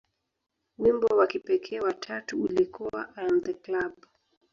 Wimbo wa kipekee wa tatu ulikuwa "I Am The Club".